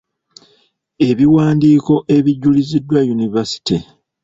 Ebiwandiiko ebijuliziddwa Univerisity.